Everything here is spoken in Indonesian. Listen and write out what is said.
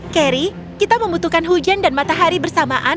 carry kita membutuhkan hujan dan matahari bersamaan